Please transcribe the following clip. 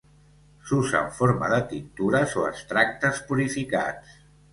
S'usa en forma de tintures o extractes purificats.